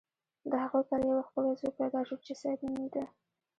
د هغوی کره یو ښکلی زوی پیدا شو چې سید نومیده.